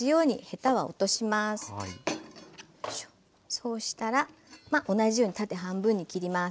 そうしたら同じように縦半分に切ります。